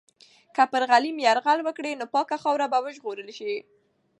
که پر غلیم یرغل وکړي، نو پاکه خاوره به وژغورل سي.